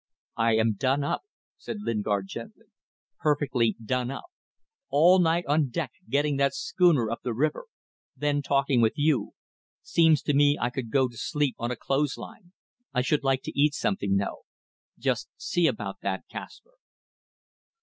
"I am done up," said Lingard, gently. "Perfectly done up. All night on deck getting that schooner up the river. Then talking with you. Seems to me I could go to sleep on a clothes line. I should like to eat something though. Just see about that, Kaspar."